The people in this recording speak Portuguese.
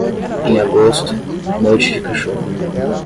Em agosto, noite de cachorro.